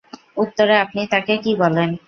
উত্তরে আপনি তাঁকে কী বলেন?